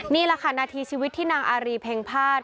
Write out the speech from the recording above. นี่แหละค่ะนาทีชีวิตที่นางอารีเพ็งพาด